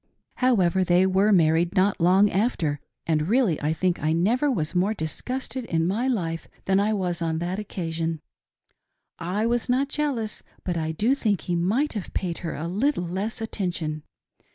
However, they were married not long after, and really I think I never was more disgusted in my life than I was on that occasion. I was not jealous, but I do think he might have paid her a little less attention.